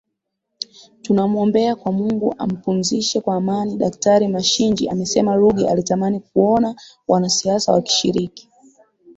tunamwombea kwa Mungu ampumzishe kwa amani Daktari Mashinji amesema Ruge alitamani kuona wanasiasa wakishiriki